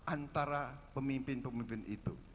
antara pemimpin pemimpin itu